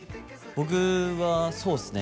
僕はそうっすね